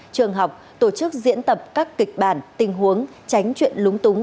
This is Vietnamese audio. trường học tổ chức diễn tập các kịch bản tình huống tránh chuyện lúng túng